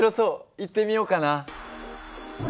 行ってみようかな。